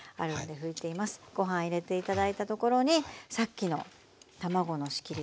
ご飯入れて頂いたところにさっきの卵の仕切りですね。